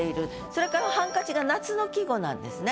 それから「ハンカチ」が夏の季語なんですね。